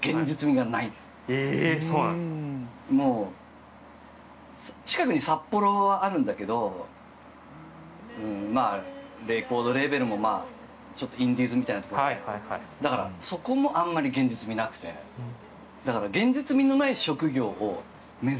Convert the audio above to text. そうなんですかもう近くに札幌あるんだけどまあレコードレーベルもちょっとインディーズみたいなとこでだからそこもあんまり現実味なくてだからはははっ